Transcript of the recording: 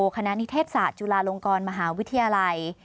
คณะนิเทศศาสตร์จุฬาลงกรมหาวิทยาลัย